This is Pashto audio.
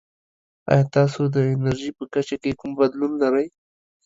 ایا تاسو د انرژي په کچه کې کوم بدلون لرئ؟